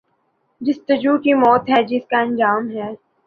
جستجو کی موت بے حسی کا جنم ہے۔